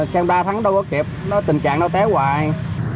xe honda thắng đâu có kịp tình trạng nó té hoài